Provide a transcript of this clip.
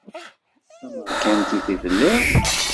D tamerkantit i telliḍ?